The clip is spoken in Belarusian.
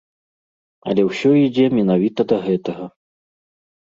Але ўсё ідзе менавіта да гэтага.